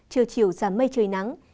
trưa chiều giảm mây trời nắng